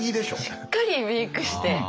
しっかりメークして。